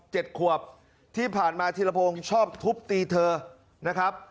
ขวบที่ผ่านมาธีรพงศ์ชอบทุบตีเธอนะครับ